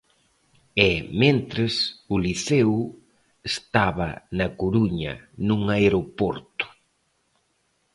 E, mentres, o Liceo estaba na Coruña, nun aeroporto.